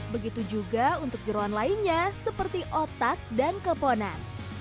begitu juga untuk jerawan lainnya seperti otak dan keponan